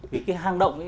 vì cái hang động